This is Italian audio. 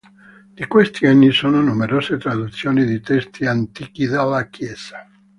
Di questi anni sono numerose traduzioni di testi antichi della Chiesa.